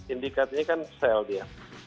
indikatnya kan sel dia